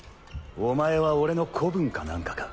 お前は俺の子分か何かか？